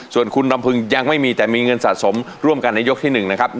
ส่วนคุณลำพึงยังไม่มีแต่มีเงินสะสมร่วมกันในยกที่๑นะครับ